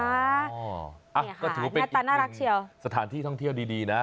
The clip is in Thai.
นี่ค่ะหน้าตาน่ารักเฉียวอ๋อก็ถือว่าเป็นอีกหนึ่งสถานที่ท่องเที่ยวดีนะ